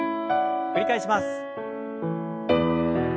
繰り返します。